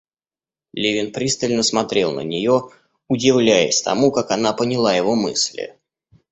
Левин пристально смотрел на нее, удивляясь тому, как она поняла его мысли.